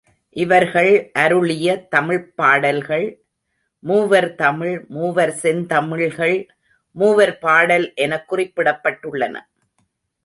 இவர்கள் அருளிய தமிழ்ப் பாடல்கள் மூவர் தமிழ், மூவர் செந்தமிழ்கள், மூவர் பாடல் எனக் குறிப்பிடப்பட்டுள்ளன.